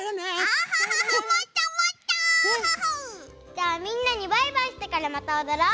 じゃあみんなにバイバイしてからまたおどろう。